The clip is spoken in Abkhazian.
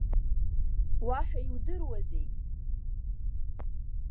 Уаҳа иудыруазеи?